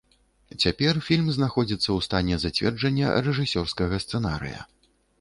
Цяпер фільм знаходзіцца ў стане зацверджання рэжысёрскага сцэнарыя.